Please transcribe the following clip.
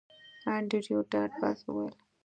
انډریو ډاټ باس وویل